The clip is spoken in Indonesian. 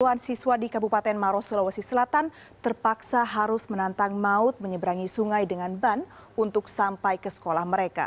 puluhan siswa di kabupaten maros sulawesi selatan terpaksa harus menantang maut menyeberangi sungai dengan ban untuk sampai ke sekolah mereka